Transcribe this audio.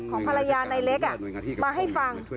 ของภรรยาในเล็กมาให้ฟัง